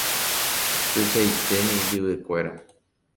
Tuichaitémi ijyvykuéra.